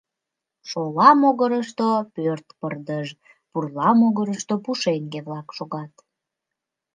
Шола могырышто пӧрт пырдыж, пурла могырышто пушеҥге-влак шогат.